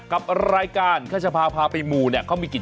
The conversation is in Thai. กับรายการข้าจะพาพาไปหมู่เนี่ย